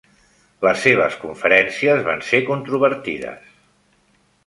Les seves conferències van ser controvertides.